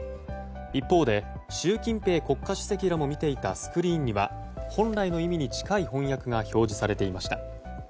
一方で習近平国家主席も見ていたスクリーンには本来の意味に近い翻訳が表示されていました。